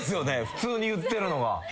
普通に言ってるのが。